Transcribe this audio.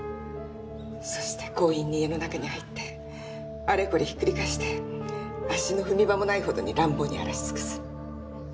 そして強引に家の中に入ってあれこれひっくり返して足の踏み場もないほどに乱暴に荒らし尽くす。